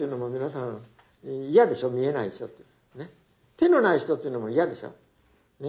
手のない人っていうのも嫌でしょ。ね。